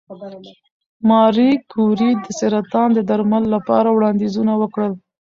ماري کوري د سرطان د درملنې لپاره وړاندیزونه وکړل.